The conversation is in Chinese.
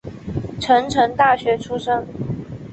成城大学出身。